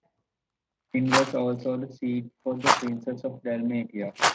Nin was also the seat of the Princes of Dalmatia.